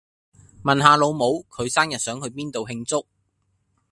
問下老母，佢生日想去邊度慶祝